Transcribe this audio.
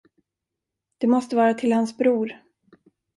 Det måste vara till hans bror.